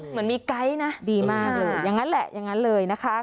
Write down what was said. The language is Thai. เหมือนมีไกด์นะดีมากเลยอย่างนั้นแหละอย่างนั้นเลยนะคะ